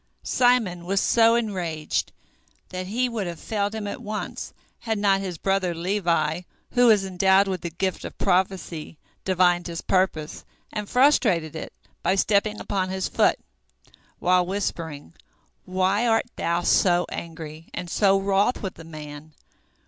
Simon was so enraged that he would have felled him at once, had not his brother Levi, who was endowed with the gift of prophecy, divined his purpose, and frustrated it by stepping upon his foot, while whispering: "Why art thou so angry, and so wroth with the man?